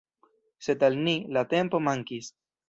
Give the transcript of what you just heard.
Sed al ni, la tempo mankis.